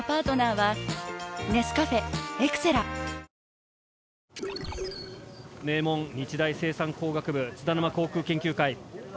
行け・名門日大生産工学部津田沼航空研究会。